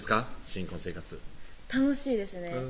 新婚生活楽しいですね